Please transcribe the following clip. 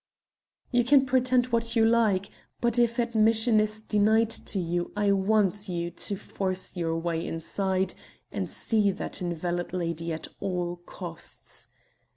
You can pretend what you like, but if admission is denied to you I want you to force your way inside and see that invalid lady at all costs.